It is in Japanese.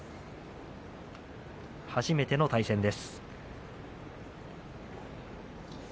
初めての対戦です。